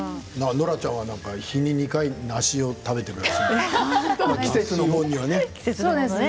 ノラちゃんは一日に２回梨を食べているそうですけどね。